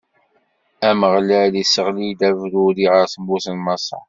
Ameɣlal isseɣli-d abruri ɣef tmurt n Maṣer.